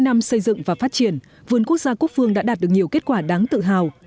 sáu mươi năm xây dựng và phát triển vườn quốc gia quốc phương đã đạt được nhiều kết quả đáng tự hào